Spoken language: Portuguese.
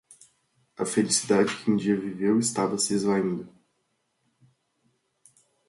A felicidade que um dia viveu estava se esvaindo.